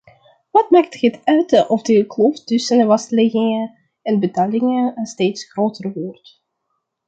Wat maakt het uit of de kloof tussen vastleggingen en betalingen steeds groter wordt?